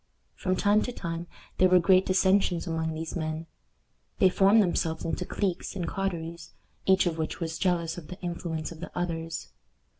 From time to time there were great dissensions among these men. They formed themselves into cliques and coteries, each of which was jealous of the influence of the others.